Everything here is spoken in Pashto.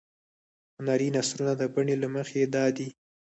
هنري نثرونه د بڼې له مخې دادي.